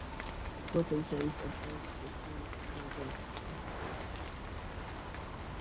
The gods sometimes advised the king to send back a scapegoat.